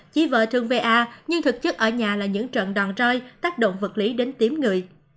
chỉ vợ thương va nhưng thực chất ở nhà là những trận đòn trôi tác động vật lý đến kiếm người